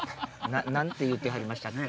何て言うてはりましたっけ？